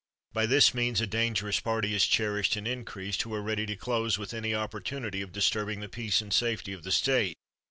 By this means a dangerous party is cherished and increased, who are ready to close with any opportunity of disturbing the peace and safety of the state.